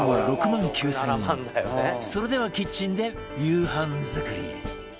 それではキッチンで夕飯作り